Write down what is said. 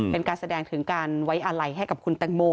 เป็นการแสดงถึงการไว้อาลัยให้กับคุณแตงโม